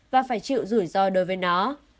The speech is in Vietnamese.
và phải chịu rủi ro đối với nó